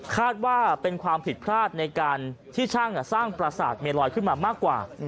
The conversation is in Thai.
คาดว่าเป็นความผิดพลาดในการที่ช่างสร้างประสาทเมลอยขึ้นมามากกว่า